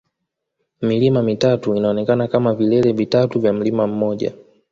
Milima mitatu inaonekana kama vilele vitatu vya mlima mmoja